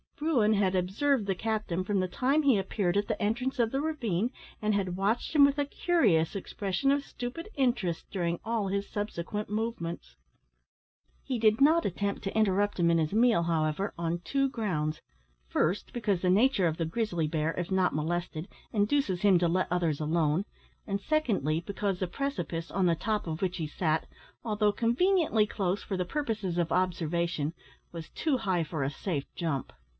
Bruin had observed the captain from the time he appeared at the entrance of the ravine, and had watched him with a curious expression of stupid interest during all his subsequent movements. He did not attempt to interrupt him in his meal, however, on two grounds first, because the nature of the grizzly bear, if not molested, induces him to let others alone; and secondly, because the precipice, on the top of which he sat, although conveniently close for the purposes of observation, was too high for a safe jump.